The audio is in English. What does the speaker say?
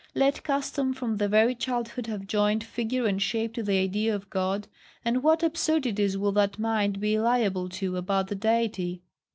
Let custom from the very childhood have joined figure and shape to the idea of God, and what absurdities will that mind be liable to about the Deity?